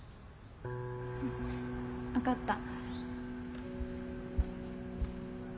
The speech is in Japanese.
分かった。